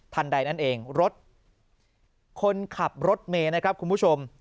ใดนั่นเองรถคนขับรถเมย์นะครับคุณผู้ชม